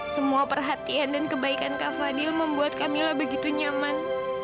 semua perhatian dan kebaikan kak fadil membuat camillah begitu nyaman